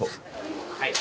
はい。